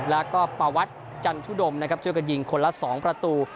แล้วก็ประวัติจันทุดมนะครับช่วยกันยิงคนละ๒ประตู